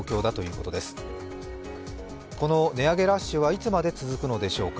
この値上げラッシュはいつまで続くのでしょうか。